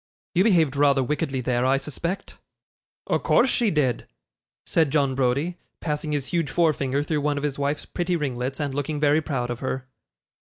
'You behaved rather wickedly there, I suspect.' 'O' course she did,' said John Browdie, passing his huge forefinger through one of his wife's pretty ringlets, and looking very proud of her.